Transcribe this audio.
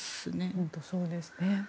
本当にそうですね。